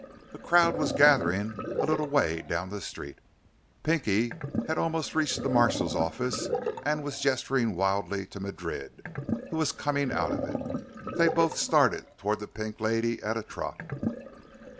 A crowd was gathering a little way down the street. Pinky had almost reached the marshal's office and was gesturing wildly to Madrid, who was coming out of it. They both started toward the Pink Lady at a trot.